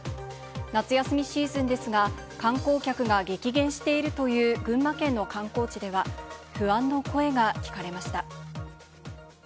夏休みシーズンですが、観光客が激減しているという群馬県の観光地では、不安の声が聞かれました。